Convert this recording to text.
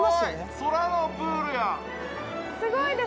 空のプールや。